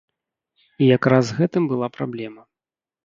І якраз з гэтым была праблема.